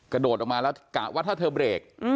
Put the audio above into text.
กระโดดออกมาแล้วกะว่าถ้าเธอเบรก